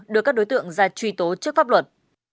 đưa các đối tượng ra truy tố trước pháp luật